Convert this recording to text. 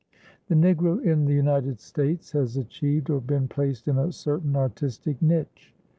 The Negro in the United States has achieved or been placed in a certain artistic niche.